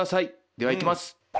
ではいきます。